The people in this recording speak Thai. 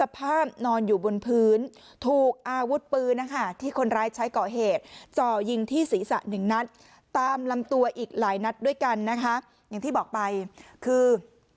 ไปนัดด้วยกันนะคะอย่างที่บอกไปคือ